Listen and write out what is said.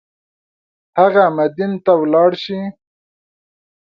هغه مدین ته ولاړ شي.